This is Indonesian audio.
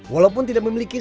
walaupun tidak memiliki skill